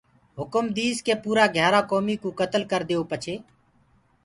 هُڪم ديس ڪي پوريٚ گھِيآرآ ڪوميٚ ڪو ڪتلَ ڪرَديئو پڇي